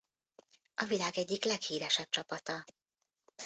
A világ egyik leghíresebb csapata.